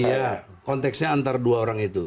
iya konteksnya antara dua orang itu